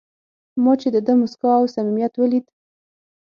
ما چې د ده موسکا او صمیمیت ولید.